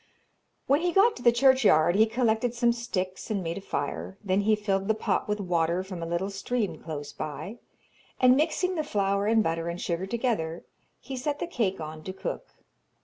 When he got to the churchyard he collected some sticks and made a fire; then he filled the pot with water from a little stream close by, and mixing the flour and butter and sugar together, he set the cake on to cook.